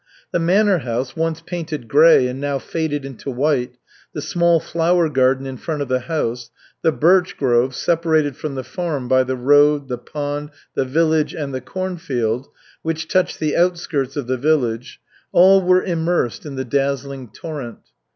The manor house, once painted gray and now faded into white, the small flower garden in front of the house, the birch grove, separated from the farm by the road, the pond, the village and the corn field, which touched the outskirts of the village, all were immersed in the dazzling torrent.